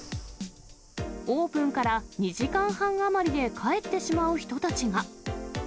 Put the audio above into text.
オープンから２時間半余りで帰ってしまう人たちが。